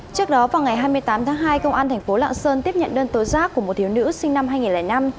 trước đó vào ngày hai mươi tám tháng hai công an tp lạng sơn tiếp nhận đơn tối giác của một thiếu nữ sinh năm hai nghìn năm